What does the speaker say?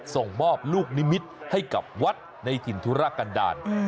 ส่งมอบลูกนิมิตรให้กับวัดในถิ่นธุรกันดาล